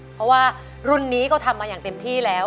เพราะว่ารุ่นนี้ก็ทำมาอย่างเต็มที่แล้ว